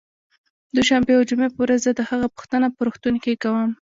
دوشنبې او جمعې په ورځ زه د هغه پوښتنه په روغتون کې کوم